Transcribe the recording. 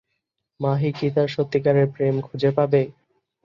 মাহি কি তার সত্যিকারের প্রেম খুঁজে পাবে?